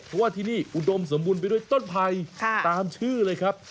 เพราะว่าที่นี่อุดมสมบูรณ์ไปด้วยต้นไผ่ตามชื่อเลยครับ